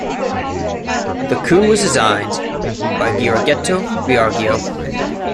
The coupe was designed by Giorgetto Giugiaro.